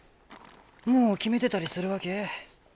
もう決めてたりするわけ？